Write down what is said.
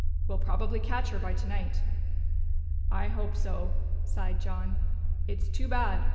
We'll probably catch her by tonight." "I hope so," sighed John. "It's too bad.